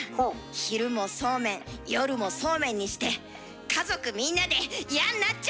昼もそうめん夜もそうめんにして家族みんなで嫌んなっちゃいましょう！